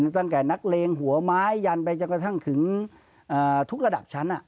ตั้งแต่นักเลงหัวไม้ยันไปจนกระทั่งถึงทุกระดับชั้น